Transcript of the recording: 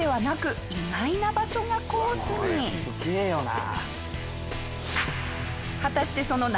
これすげえよな！